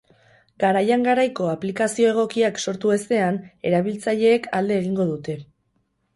Garaian garaiko aplikazio egokiak sortu ezean, erabiltzaileek alde egingo dute.